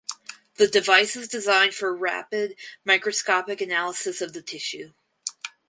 The device is designed for rapid microscopic analysis of the tissue.